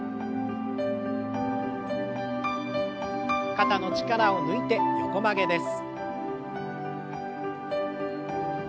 肩の力を抜いて横曲げです。